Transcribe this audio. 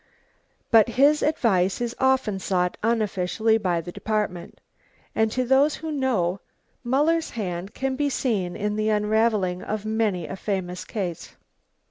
But his advice is often sought unofficially by the Department, and to those who know, Muller's hand can be seen in the unravelling of many a famous case.